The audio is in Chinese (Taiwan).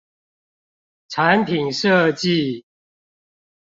產品設計